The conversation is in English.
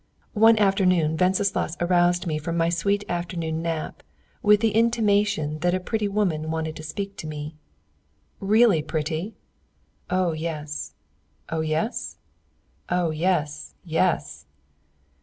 One afternoon Wenceslaus aroused me from my sweet afternoon nap with the intimation that a pretty woman wanted to speak to me. "Really pretty?" "Oh yes!" "Oh yes?" "Oh yes, yes!"